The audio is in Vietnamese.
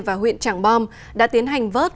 và huyện trảng bom đã tiến hành vớt